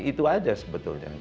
itu aja sebetulnya